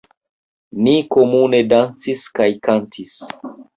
Ni komune dancis kaj kantis.